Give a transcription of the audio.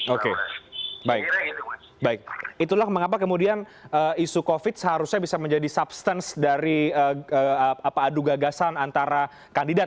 oke baik itulah mengapa kemudian isu covid seharusnya bisa menjadi substance dari adu gagasan antara kandidat